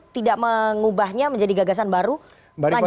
tidak mengubahnya menjadi gagasan baru lanjut aja